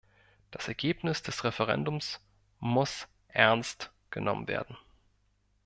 Das Ergebnis des Referendums muss ernst genommen werden.